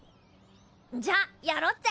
じゃあやろっぜ！